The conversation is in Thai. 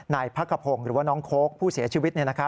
นายพักขพงศ์หรือว่าน้องโค้กผู้เสียชีวิต